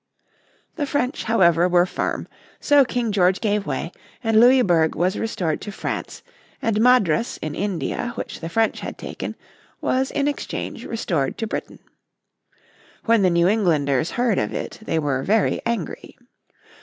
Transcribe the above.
The French, however, were firm. So King George gave way, and Louisburg was restored to France, and Madras in India, which the French had taken, was in exchange restored to Britain. When the New Englanders heard of it, they were very angry.